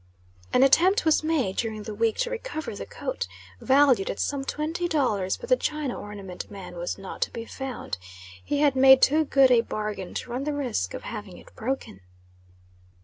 An attempt was made during the week to recover the coat, valued at some twenty dollars; but the china ornament man was not to be found he had made too good a bargain to run the risk of having it broken.